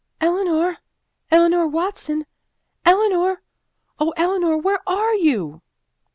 "Eleanor! Eleanor Watson! Eleanor! Oh, Eleanor, where are you?"